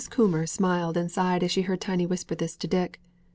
Coomber smiled and sighed as she heard Tiny whisper this to Dick.